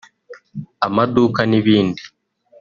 amaduka n’ibindi